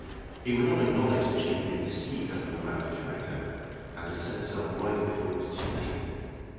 He would not acknowledge that she had been deceived as to the man's character and had set herself right before it was too late.